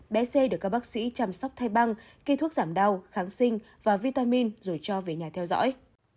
bé c được các bác sĩ chăm sóc thay băng kê thuốc giảm đau kháng sinh và vitamin rồi cho về nhà theo dõi